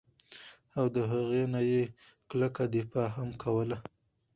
او د هغې نه ئي کلکه دفاع هم کوله